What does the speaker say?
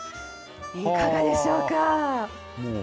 いかがでしょうか。